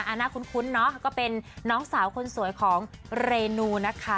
น่าคุ้นเนอะก็เป็นน้องสาวคนสวยของเรนูนะคะ